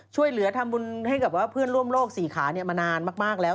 ช่วยเหลือทำบุญให้กับเพื่อนร่วมโลกสี่ขามานานมากแล้ว